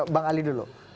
bang ali dulu